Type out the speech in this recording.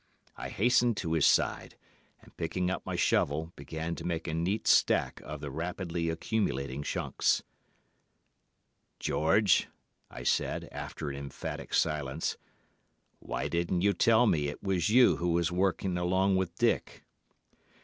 I hastened to his side, and, picking up my shovel, began to make a neat stack of the rapidly accumulating chunks. "'George,' I said, after an emphatic silence, 'why didn't you tell me it was you who was working along with Dick?